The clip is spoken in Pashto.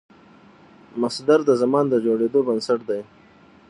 مصدر د زمان د جوړېدو بنسټ دئ.